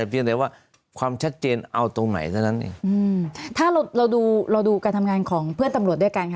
เพียงแต่ว่าความชัดเจนเอาตรงไหนเท่านั้นเองอืมถ้าเราเราดูเราดูการทำงานของเพื่อนตำรวจด้วยกันค่ะ